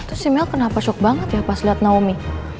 terus si mel kenapa shock banget ya pas liat naomi